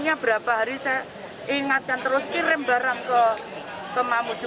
ini berapa hari saya ingatkan terus kirim barang ke mamuju